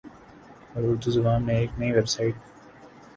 اور اردو زبان میں ایک نئی ویب سائٹ